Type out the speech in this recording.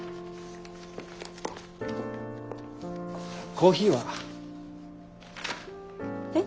コーヒーは？えっ？